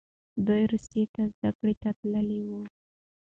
دوی روسیې ته زده کړې ته تللي وو.